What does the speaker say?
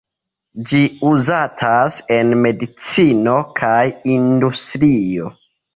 Ĝi uzatas en medicino kaj industrio.